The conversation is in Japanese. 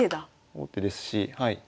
王手ですし。